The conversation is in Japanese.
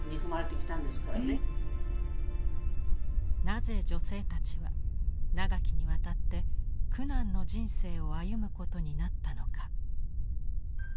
なぜ女性たちは長きにわたって苦難の人生を歩むことになったのか。